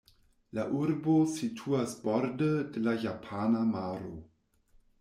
La urbo situas borde de la Japana maro.